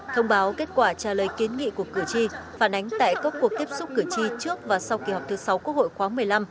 thông báo kết quả trả lời kiến nghị của cử tri phản ánh tại các cuộc tiếp xúc cử tri trước và sau kỳ họp thứ sáu quốc hội khoáng một mươi năm